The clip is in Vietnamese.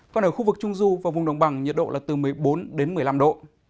còn ở khu vực trung du và vùng đồng bằng nhiệt độ là từ một mươi bốn đến một mươi năm độ